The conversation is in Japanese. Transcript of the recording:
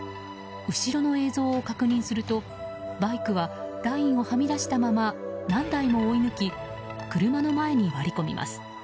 後ろの映像を確認するとバイクはラインをはみ出したまま何台も追い抜き車の前に割り込みます。